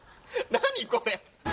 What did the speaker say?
何これ？